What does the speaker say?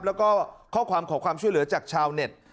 แล้วก็ข้อความขอความช่วยเหลือจากชาวเน็ต